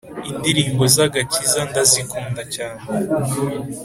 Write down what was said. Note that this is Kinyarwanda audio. Indirimbo z’agakiza ndazikunda cyane